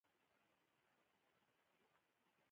ښه حکومتولي د خلکو ستونزې په وخت حل کوي.